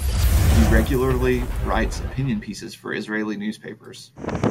He regularly writes opinion pieces for Israeli newspapers.